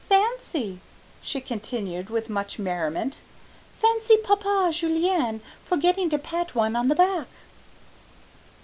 Fancy," she continued with much merriment, "fancy papa Julian forgetting to pat one on the back."